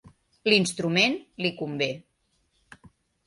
L'instrument li convé.